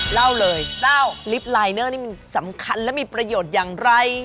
เล่าเลยเล่าลิฟต์ลายเนอร์นี่มันสำคัญและมีประโยชน์อย่างไร